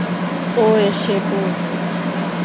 ও এসে পড়বে।